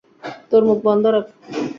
তোর মুখ বন্ধ রাখ।